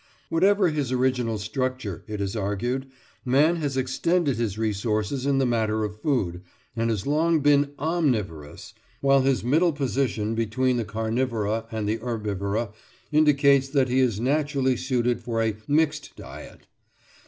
Whatever his original structure, it is argued, man has extended his resources in the matter of food, and has long been "omnivorous," while his middle position between the carnivora and herbivora indicates that he is naturally suited for a "mixed diet."